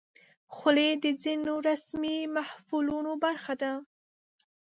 خولۍ د ځینو رسمي محفلونو برخه ده.